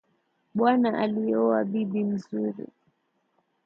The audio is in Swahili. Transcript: Bwana alioa bibi mzuri